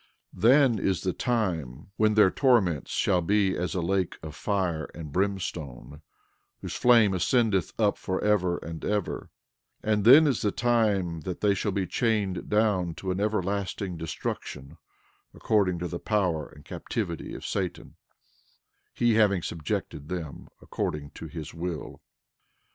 12:17 Then is the time when their torments shall be as a lake of fire and brimstone, whose flame ascendeth up forever and ever; and then is the time that they shall be chained down to an everlasting destruction, according to the power and captivity of Satan, he having subjected them according to his will.